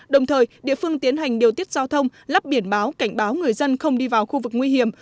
đồng thời địa phương tiến hành điều tiết giao thông lắp biển báo cảnh báo người dân không đi vào khu vực nguy hiểm